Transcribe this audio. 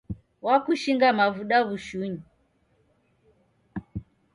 Wakushinga mavuda w'ushunyi